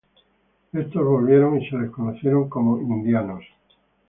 Éstos volvieron y se les conocieron como "indianos".